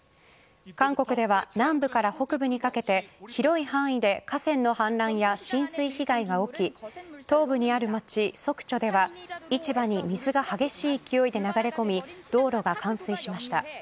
韓国では南部から北部にかけて広い範囲で河川の氾濫や浸水被害が起き東部にある町、ソクチョでは市場に水が激しい勢いで流れ込み道路が冠水しました。